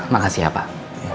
makasih ya pak